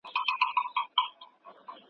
څخه وروسته د افغانستان حکومت ته سپارل کیږي.